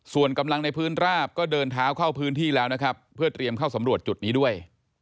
ส่วนกำลังในพื้นราบก็เดินเท้าเข้าพื้นที่แล้วนะครับเพื่อเตรียมเข้าสำรวจจุดนี้ด้วย